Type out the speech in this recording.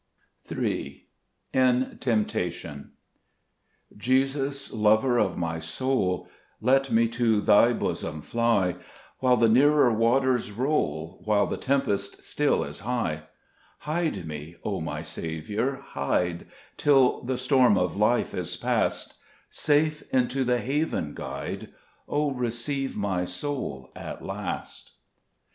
1fn ^Temptation* JESUS, Lover of my soul, Let me to Thy bosom fly, While the nearer waters roll, While the tempest still is high : Hide me, O my Saviour, hide, Till the storm of life is past ; Safe into the haven guide, O receive my soul at last.